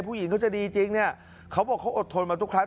ผู้หญิงเขาจะดีจริงเนี่ยเขาบอกเขาอดทนมาทุกครั้ง